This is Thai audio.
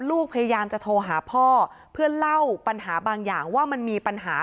พยายามจะโทรหาพ่อเพื่อเล่าปัญหาบางอย่างว่ามันมีปัญหา